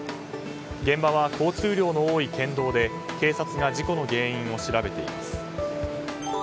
現場は交通量の多い県道で警察が事故の原因を調べています。